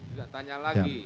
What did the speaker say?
tidak tanya lagi